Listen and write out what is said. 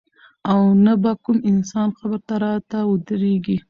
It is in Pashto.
او نه به کوم انسان قبر ته راته ودرېږي.